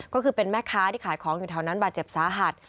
ก็คือเป็นแม่ค้าที่ขายของอยู่แถวนั้นบาดเจ็บสาหัส